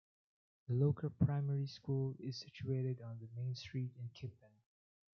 The local primary school is situated on the Main Street in Kippen.